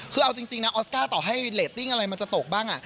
คือเอาจริงนะออสการ์ต่อให้เรตติ้งอะไรมันจะตกบ้าง